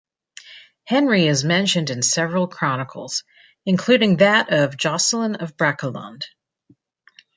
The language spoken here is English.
Henry is mentioned in several chronicles, including that of Jocelin of Brakelond.